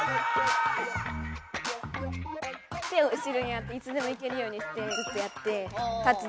手を後ろにやっていつでもいけるようにしてずっとやってタッチできました。